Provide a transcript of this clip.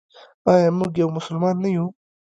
آیا موږ یو مسلمان نه یو؟